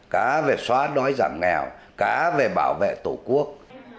cả về xóa đói giảm nghèo cả về bảo vệ tổ quốc